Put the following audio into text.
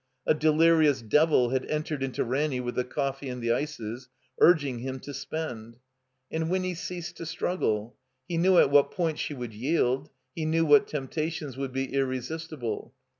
A delirious devil had entered into Ranny with the coffee and the ices, urging him to spend. And Winny ceased to struggle. He knew at what point she would yield, he knew what temptations would be irresistible.